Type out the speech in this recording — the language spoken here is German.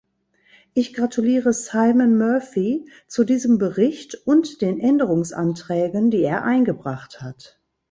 Ich gratuliere Simon Murphy zu diesem Bericht und den Änderungsanträgen, die er eingebracht hat.